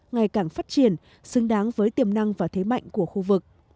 ngày càng phát triển xứng đáng với tiềm năng và thế mạnh của khu vực